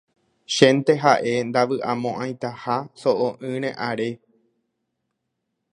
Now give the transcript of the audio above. Chénte ha'e ndavy'amo'ãitaha so'o'ỹre are.